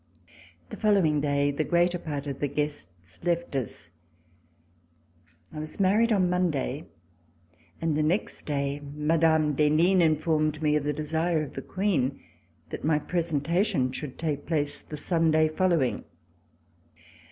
The following day the greater part of the guests left us. I was married on Monday, and the next day Mme. d'Henin informed me of the desire of the Queen that my presentation should take place the Sunday following.